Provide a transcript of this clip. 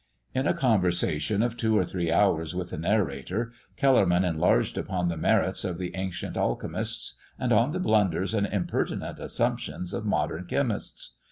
In a conversation of two or three hours with the narrator, Kellerman enlarged upon the merits of the ancient alchemists, and on the blunders and impertinent assumptions of modern chemists.